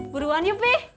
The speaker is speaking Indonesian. buruan ya pi